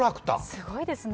すごいですね。